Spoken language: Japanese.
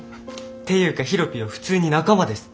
ていうかヒロピーは普通に仲間です。